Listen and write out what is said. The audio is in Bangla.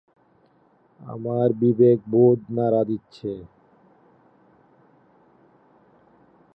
আমার বিবেক বোধ নাড়া দিচ্ছে।